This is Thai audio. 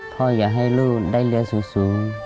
พ่ออยากให้ลูกได้เรียนสูง